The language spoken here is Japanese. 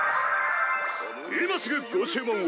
今すぐご注文を。